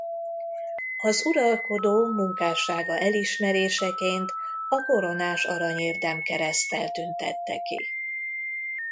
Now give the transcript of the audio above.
Az uralkodó munkássága elismeréseként a koronás arany érdemkereszttel tüntette ki.